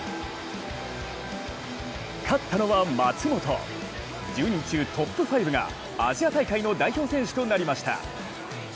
勝ったのは松元、１０人中トップ５がアジア大会の代表選手となりました。